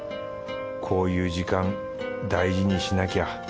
こういう時間大事にしなきゃ。